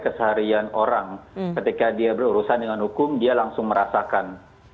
keseharian orang ketika dia berurusan dengan hukum dia langsung merasakan